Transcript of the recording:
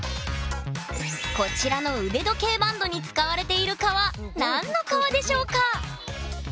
こちらの腕時計バンドに使われている革何の革でしょうか？